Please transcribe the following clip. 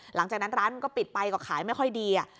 หลังจากนั้นร้านมันก็ปิดไปก็ขายไม่ค่อยดี